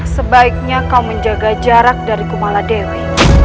sebaiknya kau menjaga jarak dari kumala dewi